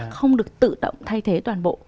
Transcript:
không được tự động thay thế toàn bộ